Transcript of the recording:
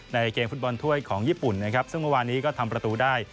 ในเกมฟุตบอลถ้วยของญี่ปุ่นนะครับซึ่งเมื่อวานนี้ก็ทำประตูได้